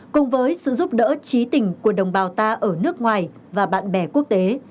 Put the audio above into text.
cùng với sự giúp đỡ trí tình của đồng bào ta ở nước ngoài và bạn bè quốc tế